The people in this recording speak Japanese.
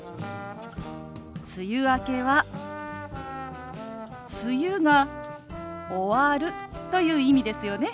「梅雨明け」は「梅雨が終わる」という意味ですよね？